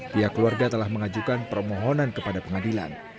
pihak keluarga telah mengajukan permohonan kepada pengadilan